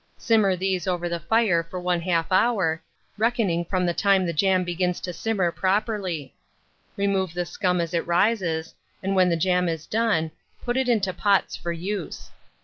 Simmer these over the fire for 1/2 hour, reckoning from the time the jam begins to simmer properly; remove the scum as it rises, and when the jam is done, put it into pots for use.